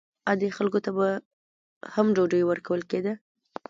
عادي خلکو ته به هم ډوډۍ ورکول کېده.